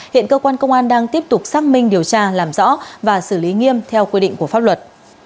hiện cơ quan công an đang tiếp tục xác minh điều tra làm rõ và xử lý nghiêm theo quy định của pháp luật